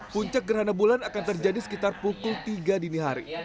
puncak gerhana bulan akan terjadi sekitar pukul tiga dini hari